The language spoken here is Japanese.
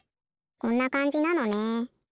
こんなかんじなのね。